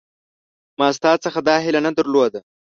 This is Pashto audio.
ما ستا څخه دا هیله نه درلوده